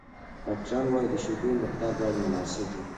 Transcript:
ډاکټران وايي، د شیدو مقدار باید مناسب وي.